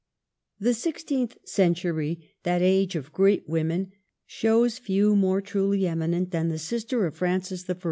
The sixteenth century, that age of great wo men, shows few more truly eminent than the sister of Francis I.